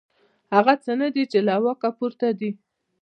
هغه څه نه دي چې له واک پورته دي.